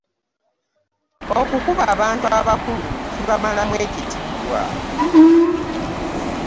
Okukuba abantu abakulu kibamalamu ekitiibwa.